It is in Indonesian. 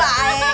ya pak han